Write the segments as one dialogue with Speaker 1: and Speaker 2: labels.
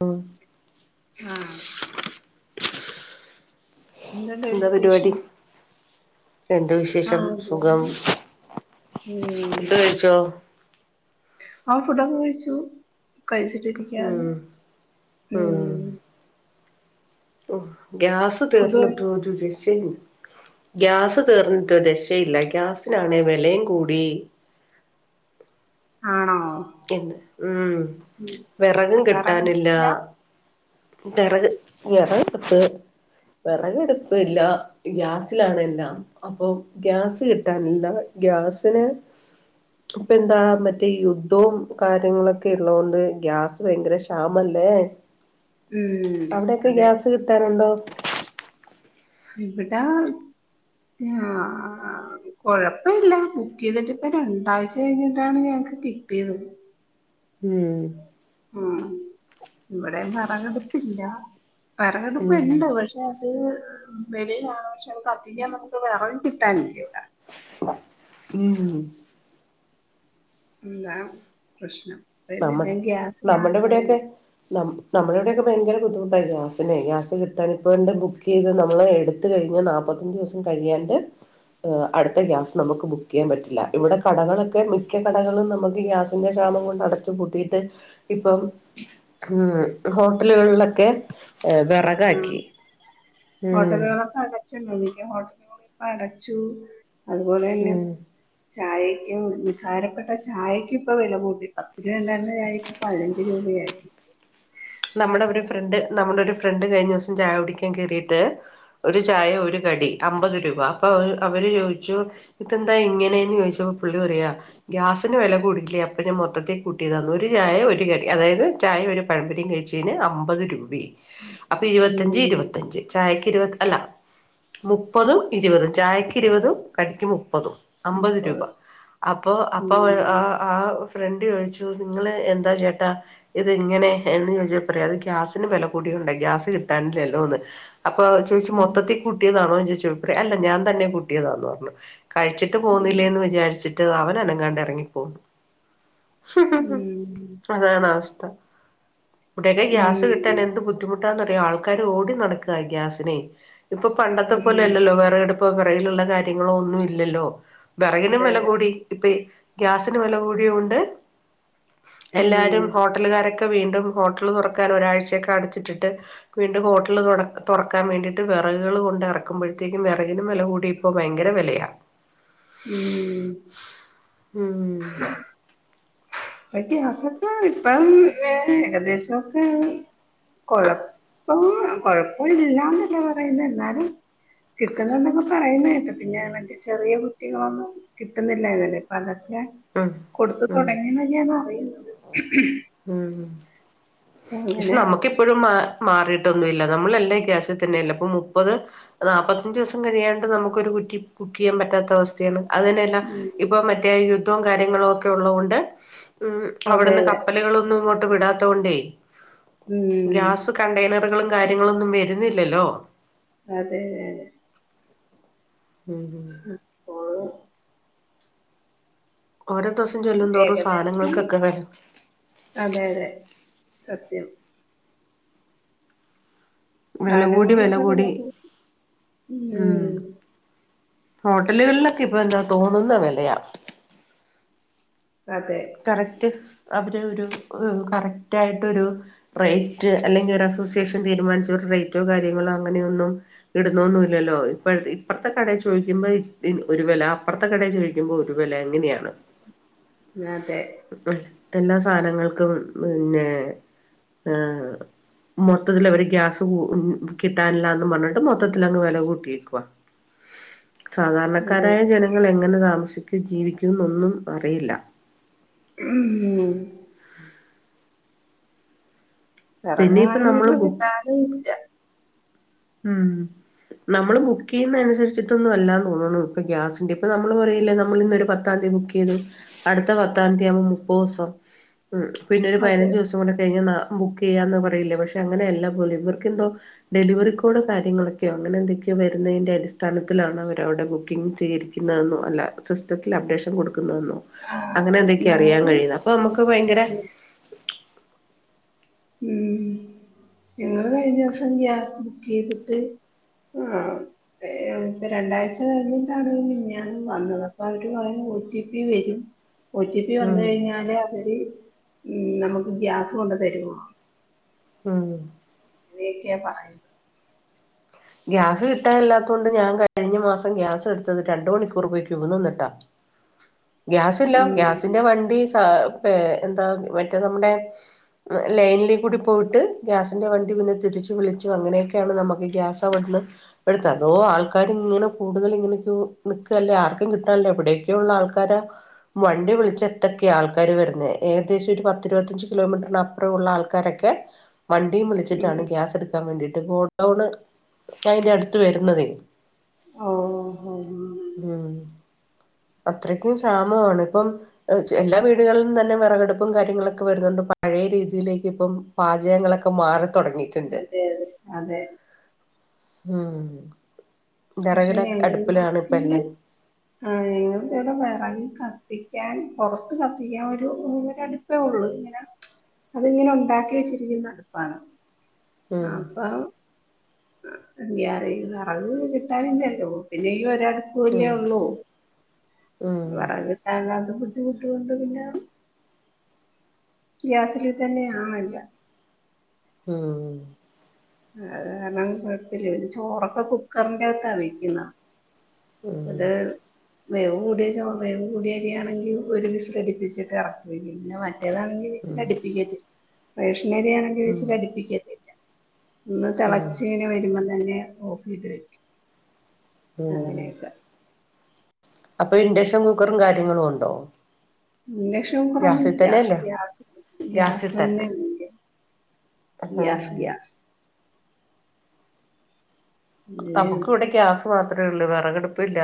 Speaker 1: മ്
Speaker 2: ആഹ് എന്തുണ്ട്
Speaker 1: എന്താ പരിപാടി
Speaker 2: വിശേഷം
Speaker 1: എന്താ വിഷ് ശേഷം
Speaker 2: ആഹ് അതെ
Speaker 1: സുഖം
Speaker 2: ഉം
Speaker 1: ഫുഡ്‌ കഴിച്ചോ
Speaker 2: ആഹ് ഫുഡൊക്കെ കഴിച്ചു കഴിച്ചിട്ടിരിക്കര്ന്ന്
Speaker 1: ഉം
Speaker 2: ഉം
Speaker 1: ഹോ ഗ്യാസ്
Speaker 2: ഫുഡ്
Speaker 1: തീർന്നിട്ട് ഒരു രക്ഷേല്ല ഗ്യാസ് തീർന്നിട്ട് ഒരേക്ഷയില്ല ഗ്യാസിനാണെ വെലേം കൂടി
Speaker 2: ആണോ
Speaker 1: എഹ് ഉം
Speaker 2: ഉം
Speaker 1: വിറകും കിട്ടാനില്ല
Speaker 2: വെറകടുപ്പില്ല
Speaker 1: വേറെക് വേറെക് [unintelligible] വേറകടുപ്പില്ല ഗ്യാസിലാണെല്ലാം അപ്പൊ ഗ്യാസ് കിട്ടാനില്ല ഗ്യാസിന് ഇപ്പന്താ മറ്റേ യുദ്ധം കാര്യങ്ങളൊക്കെ ഉള്ളോണ്ട് ഗ്യാസ് ഭയങ്കര ക്ഷാമല്ലേ
Speaker 2: ഉം
Speaker 1: അവിടെയൊക്കെ
Speaker 2: അതെ
Speaker 1: ഗ്യാസ് കിട്ടാനുണ്ടോ
Speaker 2: ഇവിടാ ആഹ് ആഹ് കൊഴപ്പില്ല ബുക്ക് ചെയ്തിട്ട് ഇപ്പ രണ്ടാഴ്ച കഴിഞ്ഞിട്ടാണ് ഞങ്ങക്ക് കിട്ടിയത്
Speaker 1: മ്മ്
Speaker 2: മ്മ്ഹ് ഇവിടെ വിറകടുപ്പില്ല വിറകടുപ്പ്
Speaker 1: ഉം
Speaker 2: ഇണ്ട് പക്ഷെ അത് വെളിയിലാണ് പക്ഷെ നമുക്ക് കത്തിക്കാൻ നമുക്ക് വെറക് കിട്ടാനില്ല ഇവിടെ
Speaker 1: മ്മ്ഹ
Speaker 2: എന്താ പ്രശ്നം അതായത് ഞാൻ ഗ്യാസിലാണ് ചെയ്യു
Speaker 1: നമ് നമ്മുടെ ഇവിടെക്കെ ഭയങ്കര ബുദ്ധിമുട്ടായി ഗ്യാസിനെ ഗ്യാസ് കിട്ടാൻ ഇപ്പണ്ട് ബുക്ക് ചെയ്ത് നമ്മള് എടു എടുത്ത് കഴിഞ്ഞ് നാല്പ്പത്തഞ്ച് ദിവസം കഴിയാണ്ട് അടുത്ത ഗ്യാസ് നമുക്ക് ബുക്ക് ചെയ്യാൻ പറ്റില്ല ഇവിടെ കടകളൊക്കെ മിക്ക കടകളും നമുക്ക് ഗ്യാസ് സിന്റെ ക്ഷാമം കൊണ്ട് അടച് പൂട്ടിയിട്ട് ഇപ്പം ഏഹ് ഹോട്ടലുകളിലൊക്കെ
Speaker 2: ആഹ്
Speaker 1: വേറാകാക്കി
Speaker 2: ഹോട്ടലുകളൊക്കെ അടച്ചല്ലോ വല്യ ഹോട്ടലുകളൊക്കെ ഇപ്പ അടച്ചു അതുപോലെ തന്നെ
Speaker 1: ഉം
Speaker 2: ചായക്കും ഉദാരപ്പെട്ട ചായക്കും ഇപ്പൊ വില കൂട്ടിത ഇവിടെ [unintelligible] ചായക്ക് പതിനഞ്ച് രൂപയാക്കി
Speaker 1: നമ്മള് ഇവിടോരു ഫ്രണ്ട് നമ്മുടെ ഒരു ഫ്രണ്ട് കഴിഞ്ഞ ദിവസം ചായ കുടിക്കാൻ കേയറിയിട്ട് ഒരു ചായ ഒരു കടി അമ്പത് രൂപ അപ്പൊ അവര് ചോദിച്ചു ഇതെന്താ ഇങ്ങനെന്ന് ചോദിച്ചപ്പോ പുള്ളി പറയാ ഗ്യാസിന് വില കൂടിട്ടില്ലേ അപ്പ ഞാ മൊത്തത്തിൽ കൂട്ടിയതാന്ന് ഒരു ചായ ഒരു കടി അതായത് ചായ ഒരു പഴമ്പോരി കഴിക്ക ച്ചെന് അമ്പത് രൂപയായി അപ്പൊ ഇരുപത്തിഞ്ച്
Speaker 2: ഉം
Speaker 1: ഇരുപത്തിഞ്ച് ചായക്ക് ഇരുപ് അല്ല മുപ്പതും ഇരുപതും ചായക്ക് ഇരുപതും കടിക്ക് മുപ്പതും അമ്പത് രൂപ
Speaker 2: മുപ്പത്
Speaker 1: അപ്പൊ അപ്പ
Speaker 2: ഉം
Speaker 1: ആഹ് ആഹ് ഫ്രണ്ട് ചോദിച്ചു നിങ്ങള് എന്താ ചേട്ടാ ഇത് ഇങ്ങനെ എന്ന് ചോദി അതെ അത്‌ ഗ്യാസിന് വില കൂടിയൊണ്ടേ ഗ്യാസ് കിട്ടാണില്ലല്ലോന്ന് അപ്പൊ ചോദിച്ചു
Speaker 2: ഉം
Speaker 1: മൊത്തത്തിൽ കൂട്ടിയതാണോ ചോദിച്ചു അല്ല ഞാൻ തന്നെ കൂട്ടിയതാന്ന് പറഞ്ഞു കഴിച്ചിട്ട്
Speaker 2: ഉം
Speaker 1: പോവുന്നില്ലേ എന്ന് വിചാരിച്ച് അവൻ അനങ്ങാണ്ട് ഇറങ്ങിപ്പോവും
Speaker 2: ഉം
Speaker 1: അതാണ് അവസ്ഥ ഇവിടൊക്കെ ഗ്യാസ്
Speaker 2: ഉം
Speaker 1: കിട്ടാൻ എന്ത് ബുദ്ധിമുട്ടാന്നറിയോ ആൾക്കാർ ഓടി നടക്കുവാ ഗ്യാസിനെ ഇപ്പൊ പണ്ടത്തെ
Speaker 2: ഉം
Speaker 1: പോലെല്ലല്ലോ വെറകടുപ്പ് വെറകിലുള്ള കാര്യങ്ങളോ ഒന്നുല്ലല്ലോ വെറകിനും
Speaker 2: അതെ
Speaker 1: വില
Speaker 2: അതെ
Speaker 1: കൂടി ഇപ്പെ ഗ്യാസിനു വില കൂടിയൊണ്ട്
Speaker 2: ഉം
Speaker 1: എല്ലാരും ഹോട്ടലുകാരൊക്കെ വീണ്ടും ഹോട്ടൽ തുറക്കാൻ ഒരാഴ്ചയൊക്കെ അടച്ചിട്ടിട്ട് വീണ്ടും ഹോട്ടിൽ തുട തുറക്കാൻ വേണ്ടിട്ട് വെറകുകൾ കൊണ്ട് ഇറക്കുമ്പോഴ്ത്തേക്കും വെറകിനും വില കൂടി ഇപ്പൊ ഭയങ്കര വെലയ
Speaker 2: ഉം
Speaker 1: ഉം
Speaker 2: ഇപ്പം ഗ്യാസൊക്കെ ഇപ്പം ഏകദേശവൊക്കെ കൊഴപ്പം കൊഴപ്പം ഇല്ലാന്നല്ല പറയുന്നെ എന്നാലും കിട്ടുന്നുണ്ട് എന്നൊക്കെ പറയുന്ന കേട്ട് പിന്നെ മറ്റേ ചെറിയ കുറ്റികളൊന്നും കിട്ടുന്നില്ലാര്ന്നല്ലോ അപ്പൊ അതൊക്കെ
Speaker 1: ഉം
Speaker 2: കൊടുത്തു
Speaker 1: ഉം
Speaker 2: തൊടങ്ങി എന്നൊക്കെയാണ് പറയുന്നത്
Speaker 1: ഉം പക്ഷെ നമുക്ക് എ പ്പഴും മാറി മാറിയിട്ടൊന്നു ഇല്ല നമ്മളെല്ലാം ഈ ഗ്യാസി തന്നെയല്ലേ ഇപ്പൊ മുപ്പത് നാപ്പത്തഞ്ചു ദിവസം കഴിയാണ്ട് നമുക്കൊരു കുറ്റി ബുക്ക് ചെയ്യാൻ പറ്റാത്ത അവസ്ഥയാണ് അതന്നെ എല്ലാം
Speaker 2: ഉം
Speaker 1: ഇപ്പൊ മറ്റേ യുദ്ധവും കാര്യങ്ങളുവൊക്കെ ഉള്ളത് കൊണ്ട് ഉം
Speaker 2: അതെ
Speaker 1: അവിടുന്ന്
Speaker 2: അതെ
Speaker 1: കപ്പ ല്കളൊന്നും ഇങ്ങോട്ട് വിടാത്തോണ്ടേ
Speaker 2: ഉം
Speaker 1: ഗ്യാസ് കണ്ടെയ്നറുകളും കാര്യങ്ങളൊന്നും വരുന്നില്ലല്ലോ
Speaker 2: അതെ അതെ
Speaker 1: ഉം ഉം
Speaker 2: അപ്പോള്
Speaker 1: ഓരോ ദുവസം ചെല്ലും തോറും
Speaker 2: ഏകദേശം
Speaker 1: സാധനങ്ങൾക്കൊക്കെ വെല
Speaker 2: അതെ അതെ സത്യം
Speaker 1: വെല കൂടി വെല
Speaker 2: സാധനങ്ങൾക്കൊക്കെ വില
Speaker 1: കൂടി ഉം ഹോട്ടലുകളിലൊക്കെ ഇപ്പൊ എന്താ തോന്നുന്ന വെലയ
Speaker 2: അതെ
Speaker 1: കറക്റ്റ് അവര് ഒരു കറക്റ്റായിട്ടൊരു റെയ്റ്റ് അല്ലെങ്കി ഒരു അസോസിയേഷൻ തീരുമാനിച്ചൊരു റേറ്റോ കാര്യങ്ങളോ അങ്ങനെയൊന്നും ഇടുന്നോന്നു ഇല്ലല്ലോ ഇപ്പഴ ഇപ്പറത്തെ കടയി ചോദിക്കുമ്പോ ഒരു വെല അപ്പറത്തെ കടയി ചോയ്ക്കു മ്പോ ഒരു വെല അങ്ങനെയാണ്
Speaker 2: അതെ
Speaker 1: ഉം എല്ലാ സാനങ്ങൾക്കും പിന്നെ ഏഹ് മൊത്തത്തില് അവര് ഗ്യാസ് കൂ കിട്ടാനില്ലാന്നും പറഞ്ഞിട്ട് മൊത്തത്തിലങ്ങ് വെല കൂട്ടിയേക്കുവാ
Speaker 2: അതെ
Speaker 1: സാധാരണക്കാരായ ജനങ്ങള് എങ്ങനെ താമസിക്കും ജീവിക്കും എന്നൊന്നും അറിയില്ല
Speaker 2: ഉം
Speaker 1: പിന്നെ ഇപ്പ
Speaker 2: വെറകാണെങ്കി ഇപ്പൊ
Speaker 1: നമ്മള് ബുക്ക്
Speaker 2: കിട്ടാനു ഇല്ല
Speaker 1: ഉം നമ്മള് ബുക്കെയ്യുന്നെ അനുസരിച്ചിട്ടൊന്നും അല്ലാന്ന് തോന്നുണു ഇപ്പൊ ഗ്യാസിന്റെ ഇപ്പ നമ്മള് പറയില്ലേ നമ്മളിന്നൊരു പത്താം തീയതി ബുക്ക്‌ ചെയ്തു അടുത്ത പത്താം തീയതി യ്യാവുമ്പോ മുപ്പത് ദിവസാവും ഉം പിന്നൊരു
Speaker 2: അതെ
Speaker 1: പതിനഞ്ച് ദിവസം കൂടി കഴിഞ്ഞ ബുക്ക് ചെയ്യാന്ന് പറയില്ലേ പക്ഷെ അങ്ങനെയല്ല പോലും ഇവർക്കെന്തോ ഡെലിവറി കോഡ് കാര്യങ്ങളൊക്കെയോ അങ്ങനെ എന്തൊക്കെയോ വരുന്നതിൻ്റെ അടിസ്ഥാനത്തിലാണ് അവരവിടെ ബുക്കിങ് സ്വീകരിക്കുന്നതെന്നോ അല്ലാ സിസ്റ്റത്തില് അപ്ഡേഷൻ കൊടുക്കുന്ന എന്നോ അങ്ങനെ
Speaker 2: ആഹ്
Speaker 1: എന്തൊക്കെയാ അറിയാൻ
Speaker 2: ഞങ്ങള്
Speaker 1: കഴിയുന്നത് അപ്പൊ നമുക്ക് ഭയങ്കര
Speaker 2: ഉം ഞങ്ങള് കഴിഞ്ഞ ദിവസം ഗ്യാസ് ബുക്ക് ചെയ്തിട്ട് ആഹ് ഇപ്പം രണ്ടാഴ്ച കഴിഞ്ഞിട്ടാണ് മിഞാന്ന് വന്നത് അപ്പൊ അവര് പറയുന്നത് ഒ. ടി. പി വരും ഒ. ടി. പി വന്ന്
Speaker 1: ഉം
Speaker 2: കഴിഞ്ഞാലെ അവര് നമുക്ക് ഗ്യാസ് കൊണ്ട് തരുവൊള്ളോന്ന്
Speaker 1: ഉം
Speaker 2: അങ്ങനെയെക്കെയാ പറയുന്നത്
Speaker 1: ഗ്യാസ് കിട്ടാനില്ലാത്തോണ്ട് ഞാൻ കഴിഞ്ഞ മാസം ഗ്യാസ് എടുത്തത് രണ്ട് മണിക്കൂർ പോയി ക്യൂ നിന്നിട്ടാ ഗ്യാസില്ല
Speaker 2: ഉം
Speaker 1: ഗ്യാസിന്റെ വണ്ടി സ പേ എന്താ മറ്റേ നമ്മുടെ ലൈനിലി കൂടി പോയിട്ട് ഗ്യാസിൻ്റെ വണ്ടി പിന്നെ തിരിച്ച് വിളിച്ചു അങ്ങനെയൊക്കെയാണ് നമുക്ക് ഈ ഗ്യാസ് അവിട്ന്ന് [unintelligible] ഏതോ ആൾക്കാര് ഇങ്ങനെ കൂടുതൽ എങ്ങനെക്കോ നിക്കല്ലേ. ആർക്കും കിട്ടാല്ല എവിടെയക്കോ ഇള്ള ആൾക്കാര വണ്ടി വിളിച്ചട്ട്ക്കേ ആൾക്കാര് വരുന്നേ ഏകദേശം ഒരു പത്ത് ഇരുപത്തഞ്ച് കിലോമീറ്റർ അ പ്പുറള്ള ആൾക്കാരൊക്കെ വണ്ടിയും
Speaker 2: ഉം
Speaker 1: വിളിച്ചിട്ടാണ് ഗ്യാസ് എടുക്കാൻ വേണ്ടിയിട്ട് ഗോഡൗണ് അയിന്റെ അടുത്ത് വരുന്നതേ
Speaker 2: ഓഹ് ഓഹ്
Speaker 1: ഉം അത്രക്കും ക്ഷാമമാണ് ഇപ്പം ഹ് ചെ എല്ലാ വീടുകളിലും തന്നെ വെറകടുപ്പും കാര്യങ്ങളൊക്കെ വരുന്നുണ്ട് പഴയ രീതിയിലേക്ക് ഇപ്പം പാചകങ്ങളക്കെ മാറി
Speaker 2: അതെ
Speaker 1: തുടങ്ങിയിട്ടുണ്ട്
Speaker 2: അതെ അതെ
Speaker 1: ഉം
Speaker 2: പക്ഷെ
Speaker 1: ദറകിലേ അടുപ്പിലാണ് ഇപ്പ എല്ലാം.
Speaker 2: [unintelligible] വെറക് കത്തിക്കാൻ പുറത്ത് കത്തിക്കാൻ ഒരു ഒര അട് പ്പേ ഉള്ള് ഇങ്ങനെ അതിങ്ങനെ ഉണ്ടാക്കി വെച്ചിരിക്കുന്ന അടുപ്പാണ്. ആ
Speaker 1: ഉം
Speaker 2: അപ്പം [unintelligible] [unintelligible] ഇല്ലോ പിന്നെ ഈ ഒരട്പ്പുല്ലേ
Speaker 1: ഉം
Speaker 2: ഉള്ളൂ.
Speaker 1: ഉം
Speaker 2: വെറക് കിട്ടാനില്ലാത്ത ബുദ്ധിമുട്ട് കൊണ്ട് പിന്നെ ഗ്യാസില് തന്നെ [unintelligible]
Speaker 1: ഉം
Speaker 2: അത് കാരണം കൊഴപ്പില്ല ചോറൊക്കെ കുക്കർന്റെ അകത്താ വെയ്ക്കുന്ന.
Speaker 1: ഉം
Speaker 2: വേവ് കൂടിയ ചോറ് വേവ് കൂടിയ അരിയാണെങ്കി ഒരു വിസില് അടിപ്പിച്ചിട്ട് എറക്കി വയ്ക്കും. പിന്നെ മറ്റേതാണെങ്കി
Speaker 1: ഉം
Speaker 2: വിസിലടിപ്പിക്കത്തില്ല റേഷനരിയാണെങ്കി
Speaker 1: ഉം
Speaker 2: വിസിലടിപ്പിക്കത്തില്ല ഒന്ന്
Speaker 1: ഉം
Speaker 2: തളച്ച് ഇങ്ങനെ വരുമ്പം തന്നെ ഓഫ് ചെയ്ത് വെക്കും അങ്ങനെയക്ക.
Speaker 1: അപ്പ ഇൻഡക്ഷൻ കുക്കറും കാര്യങ്ങളും ഒണ്ടോ?
Speaker 2: ഇൻഡക്ഷൻ കുക്കറൊന്നും ഇല്ല
Speaker 1: തന്നെയല്ലേ
Speaker 2: ഗ്യാസ് ഗ്യാസ് തന്നെ ഇല്ല.
Speaker 1: ഉം.
Speaker 2: ഗ്യാസ് ഗ്യാസ്
Speaker 1: നമുക്ക്
Speaker 2: അങ്ങനെയാണ്
Speaker 1: ഇവടെ ഗ്യാസ് മാത്രേ ഉള്ള് വെറകടുപ്പില്ല.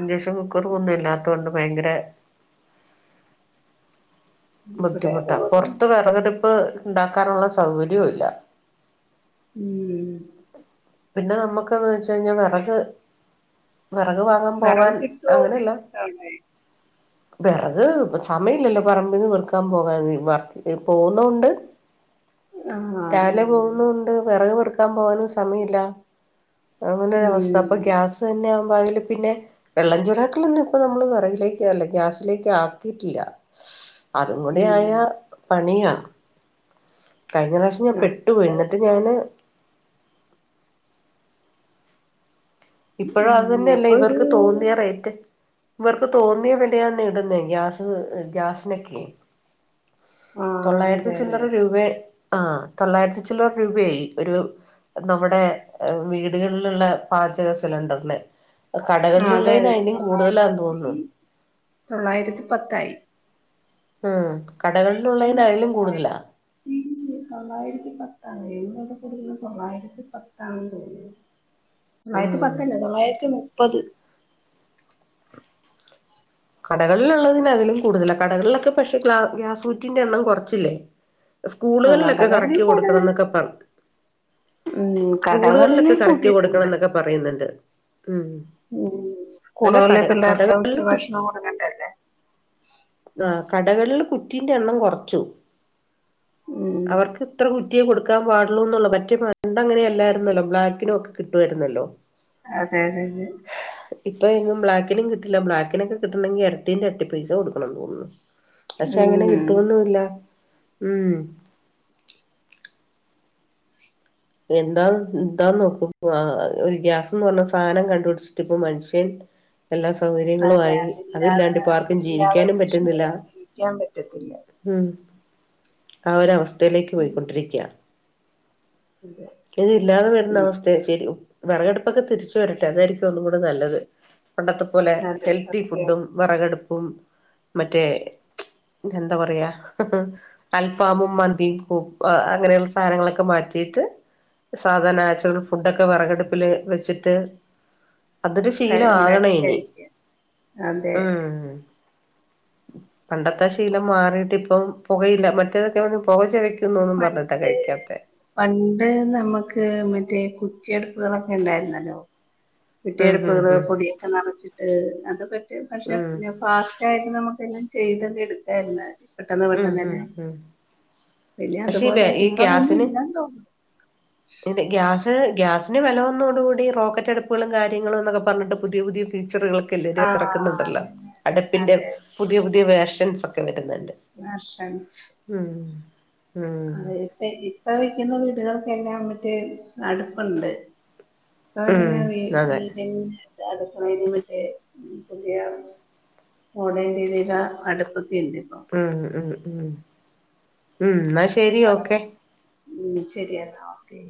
Speaker 1: ഇൻഡക്ഷൻ കുക്കറും ഒന്നും ഇല്ലാത്തോണ്ട് ഭയങ്കര
Speaker 2: ഇവിടെ
Speaker 1: ബുദ്ധിമുട്ടാ
Speaker 2: അതുപോലെ
Speaker 1: പൊറത്ത് വെറകടുപ്പ് ഇണ്ടാക്കാനുള്ള സൗകര്യം ഇല്ല.
Speaker 2: ഉം
Speaker 1: പിന്നെ നമുക്ക്ന്ന് വെച്ച് കഴിഞ്ഞാ വെറക് വെറക് വാങ്ങാൻ പോവാൻ
Speaker 2: വിറക് കിട്ടുവോ
Speaker 1: അങ്ങനെല്ല
Speaker 2: നിങ്ങക്ക് അവിടെ
Speaker 1: വെറക് സമയ ഇല്ലല്ലോ പറമ്പിന്ന് പെറക്കാൻ പോകാൻ വ എ പോന്നൊണ്ട്
Speaker 2: ആ
Speaker 1: രാവിലെ
Speaker 2: അതെ അതെ
Speaker 1: പോകുന്നോണ്ട് വെറക് പെറുക്കാ പോവാനും സമയില്ല. അങ്ങനൊരവസ്ഥ
Speaker 2: ഉം
Speaker 1: അപ്പ ഗ്യാസ് തന്നെ ആകുമ്പോ അതില് പിന്നെ വെള്ളം ചൂടാക്കലൊന്നും ഇപ്പ നമ്മള് വെറകിലേക്ക് അല്ല ഗ്യാസിലേക്ക് ആക്കിട്ടില്ല. അതും കൂടി ആയ
Speaker 2: ഉം
Speaker 1: പണിയാ കഴിഞ്ഞ പ്രാവശ്യം ഞാൻ
Speaker 2: ആ
Speaker 1: പെട്ടു പോയി
Speaker 2: ഇവിടെ
Speaker 1: ഇന്നട്ട് ഞാന് ഇപ്പഴും
Speaker 2: ഉം
Speaker 1: അത് തന്നെയല്ലേ
Speaker 2: അപ്പൊ ഒരു
Speaker 1: ഇവർക്ക് തോന്നിയ റൈറ്റ് ഇവർക്ക് തോന്നിയ വിലയാന്നേ ഇടുന്നേ ഗ്യാസ് ഗ്യാസിനക്കെ.
Speaker 2: ആ
Speaker 1: തൊള്ളായിരത്തി
Speaker 2: അതെ അതെ
Speaker 1: ചില്ലറ രൂപേ ആ തൊള്ളായിരത്തി ചില്ലറ രൂപയായി ഒരു നമ്മുടെ വീടുകൾല്ള്ള പാചക സിലിണ്ടർന്
Speaker 2: ആ അതെ
Speaker 1: കടകൾല്ള്ളേന്
Speaker 2: അതെ
Speaker 1: അയ്നിം കൂടുതലാന്ന്
Speaker 2: തൊള്ളായിരത്തി
Speaker 1: തോന്നുന്നു.
Speaker 2: തൊള്ളായിരത്തി പത്തായി
Speaker 1: ഉം കടകളിലുള്ളതിന്
Speaker 2: [unintelligible]
Speaker 1: അതിലും കൂടുതലാ
Speaker 2: തൊള്ളായിരത്തി പത്താണ് [unintelligible] തൊള്ളായിരത്തി പത്താണെന്ന് തോന്നുന്ന് തൊള്ളായിരത്തി
Speaker 1: ഉം
Speaker 2: പത്തല്ലേ തൊള്ളായിരത്തി മുപ്പത്
Speaker 1: കടകൾലൊള്ളതിന് അതിലും കൂടുതല കടകളൾലൊക്കെ പഷെ ഗ്ലാ ഗ്യാസുറ്റിന്റെ എണ്ണം കൊർച്ചില്ലേ
Speaker 2: ആ
Speaker 1: സ്കൂള്കൾലൊക്കെ
Speaker 2: കടകളിൽ
Speaker 1: കറക്റ്റ്
Speaker 2: കൂടുതൽ
Speaker 1: കൊടുക്കണന്നൊക്കെ പർ
Speaker 2: ഉം
Speaker 1: കൂള്കൾലൊക്കെ
Speaker 2: കടകളിലും
Speaker 1: കറക്റ്റ്
Speaker 2: കൂട്ടിയിട്ടുണ്ട്
Speaker 1: കൊടുക്കണന്നൊക്കെ പറയിന്നിണ്ട് ഉം
Speaker 2: ഉം
Speaker 1: അല്ല
Speaker 2: സ്കൂളുകളിലെ
Speaker 1: കട
Speaker 2: പിള്ളേർക്ക്
Speaker 1: കടകളിൽ കു
Speaker 2: ഉച്ചഭക്ഷണം കൊട്ക്കണ്ടേ
Speaker 1: ആഹ് കടകള്ള് കുറ്റീന്റെ എണ്ണം കൊർച്ചു
Speaker 2: ഉം
Speaker 1: അവർക്ക് ഇത്ര കുറ്റ്യെ കൊടുക്കാൻ പാടുള്ളൂന്നൊള്ളു മറ്റേ പണ്ട് അങ്ങനെ അല്ലായ്രുന്നല്ലോ ബ്ലാക്കിനൊക്കെ കിട്ട്വാരുന്നല്ലോ
Speaker 2: അതെ അതെ അതെ
Speaker 1: ഇപ്പ എങ്ങും ബ്ലാക്കിനും കിട്ടില്ല ബ്ലാക്കിനൊക്കെ കിട്ടണങ്കിൽ ഇരട്ടിൻ്റെ എര്ട്ടി പൈസ കൊട് തോന്നു പക്ഷെ അങ്ങനെ
Speaker 2: ഉം
Speaker 1: കിട്ടോന്നുല്ല ഉം എന്താ എന്താന്ന് നോക്കും ആഹ് ഒര് ഗ്യാസ്ന്ന് പർഞ്ഞ സാനം കണ്ടുട്ച്ചിട്ട് ഇപ്പ മൻഷ്യൻ ഉം എല്ലാ സൗകര്യങ്ങളു
Speaker 2: അതെ
Speaker 1: ആയി
Speaker 2: അതില്ലാതെ
Speaker 1: അതില്ലാണ്ട് ഇപ്പാർക്കും
Speaker 2: അതില്ലാതെ
Speaker 1: ജീവിക്കാനും
Speaker 2: മനുഷ്യന്
Speaker 1: പറ്റുന്നില്ല
Speaker 2: ജീവിക്കാൻ പറ്റത്തില്ല.
Speaker 1: ഉം ആ ഒരവസ്ഥയിലേക്ക്
Speaker 2: ഉം
Speaker 1: പോയിക്കൊണ്ടിരിക്ക്യ
Speaker 2: അതെ
Speaker 1: ഇതില്ലാതെ
Speaker 2: പിന്നെ
Speaker 1: വര്ന്നവസ് ഥെ ശരി വെറെകെട്പ്പക്കെ തിരിച്ച് വരട്ടെ അതായ്രിക്കും ഒന്നും കൂടെ നല്ലത് പണ്ടത്തെ പോലെ
Speaker 2: അതെ
Speaker 1: ഹെൽത്തി
Speaker 2: സത്യം
Speaker 1: ഫുഡ്ഡും വെറകട്പ്പും മറ്റേ എന്താ പറയാ അൽഫാമും മന്തിയും കൂ അ അങ്ങനെള്ളെ സാനങ്ങളൊക്കെ മാറ്റീട്ട് സാധാ നാച്ചുറൽ ഫുഡ്ഡക്കെ വെറെകടുപ്പില് വെച്ചിട്ട് അതൊരു
Speaker 2: ക-
Speaker 1: ശീലൊവാകണ
Speaker 2: ഉണ്ടാക്കി
Speaker 1: ഇനി
Speaker 2: കഴിക്ക അതെ
Speaker 1: ഉം പണ്ടത്തെ ശീലം മാറീട്ടിപ്പം പുകയില്ല മറ്റേതൊക്കെ വ പൊക ചൊവക്
Speaker 2: പണ്ട് പണ്ട് നമ്മക്ക് മറ്റേ കുറ്റിയെട്പ്പ്കളക്കെ ഇണ്ടായിര്ന്നല്ലോ
Speaker 1: ഉം ഉം
Speaker 2: കുറ്റ്യയെടുപ്പുകള്
Speaker 1: ഉം
Speaker 2: പൊടിയൊക്കെ നറച്ചിട്ട് അത് പറ്റി പക്ഷെ
Speaker 1: ഉം
Speaker 2: ഫാസ് യിട്ട് നമുക്കെല്ലാം ചെയ്ത് എടുക്കായിര്ന്ന് പെട്ടെന്ന്
Speaker 1: ഉം ഉം
Speaker 2: പെട്ടെന്നന്നെ
Speaker 1: ഉം
Speaker 2: പിന്നെ
Speaker 1: പക്ഷെ
Speaker 2: അതുപോലെ
Speaker 1: ഈ
Speaker 2: ഇപ്പതൊന്നും
Speaker 1: ഗ്യാസിന്
Speaker 2: ഇല്ലാ തോ
Speaker 1: ഗ്യാസ് ഗ്യാസിന് വെല വന്നൊടൂടി റോക്കറ്റടുപ്പളും കാര്യങ്ങളുംന്നൊക്കെ പർണിട്ട് പുതിയ പുതിയ ഫീച്ചറുകൾ കെ [unintelligible]
Speaker 2: ആഹ്
Speaker 1: എറക്ക്ന്നിണ്ടല്ലോ
Speaker 2: അതെ അതെ
Speaker 1: അട്പ്പിന്റെ
Speaker 2: അതെ
Speaker 1: പുതിയ പുതിയ വേർഷൻസൊക്കെ വര്ന്നിണ്ട്
Speaker 2: ആഹ് ആഹ്
Speaker 1: ഉം ഉം
Speaker 2: അതെ ഇപ്പ ഇപ്പ വെക്കിന്ന വീടികൾക്കെല്ലാം മറ്റേ അട്പ്പൊണ്ട്
Speaker 1: ഉം അതെ
Speaker 2: [unintelligible] മറ്റേ പുതിയ മോഡേൺ രീതീല അട്പ്പൊക്കെണ്ട് ഇപ്പ
Speaker 1: ഉം ഉം ഉ ഉം ഇന്നാ ശരി ഓക്കെ
Speaker 2: ഉം ശരിയെന്നാ ഓക്കെ